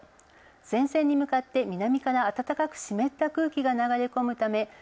前線に向かって暖かく湿った空気が流れ込む見込みです。